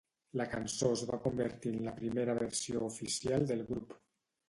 La cançó es va convertir en la primera versió oficial del grup.